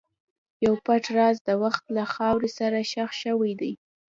یو پټ راز د وخت له خاورې سره ښخ شوی دی.